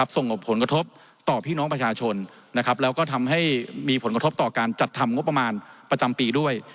ส่งผลกระทบต่อพี่น้องประชาชนแล้วก็ทำให้มีผลกระทบต่อการจัดทำงบประมาณประจำปีด้วย